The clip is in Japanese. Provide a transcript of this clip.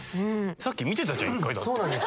さっき見てたじゃん１回。